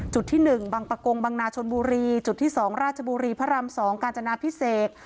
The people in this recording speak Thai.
ที่๑บังปะกงบังนาชนบุรีจุดที่๒ราชบุรีพระราม๒กาญจนาพิเศษ